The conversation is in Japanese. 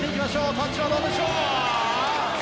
タッチはどうでしょう？